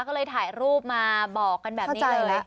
ก็เลยถ่ายรูปมาบอกกันแบบนี้เลย